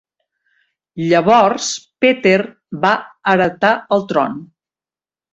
Llavors Peter va heretar el tron.